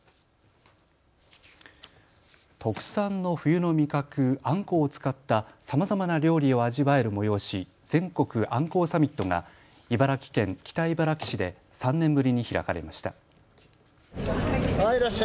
特産の冬の味覚、あんこうを使ったさまざまな料理を味わえる催し、全国あんこうサミットが茨城県北茨城市で３年ぶりに開かれました。